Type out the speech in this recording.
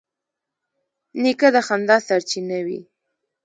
نیکه د خندا سرچینه وي.